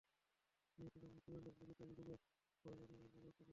নিহত রহিমার স্বজনদের লিখিত অভিযোগ পেলে প্রয়োজনীয় আইনানুগ ব্যবস্থা নেওয়া হবে।